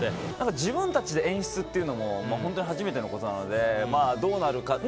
自分たちで演出というのも初めてのことなのでどうなるか。